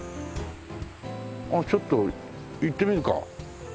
ちょっと行ってみるか。